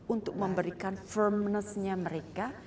untuk memberikan firmnessnya mereka